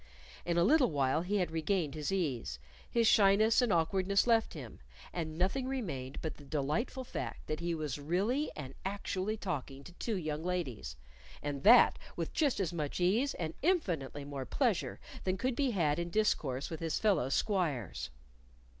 In a little while he had regained his ease; his shyness and awkwardness left him, and nothing remained but the delightful fact that he was really and actually talking to two young ladies, and that with just as much ease and infinitely more pleasure than could be had in discourse with his fellow squires.